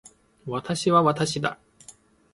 私は私だ